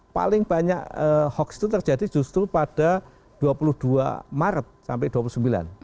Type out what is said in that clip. paling banyak hoax itu terjadi justru pada dua puluh dua maret sampai dua puluh sembilan